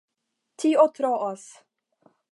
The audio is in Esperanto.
Tio troas!